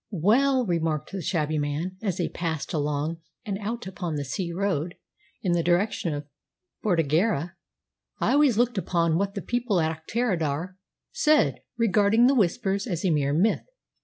"Well," remarked the shabby man as they passed along and out upon the sea road in the direction of Bordighera, "I always looked upon what the people at Auchterarder said regarding the Whispers as a mere myth.